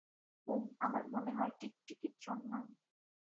হুম, আমার মনে হয় টিকটিকির জন্যই।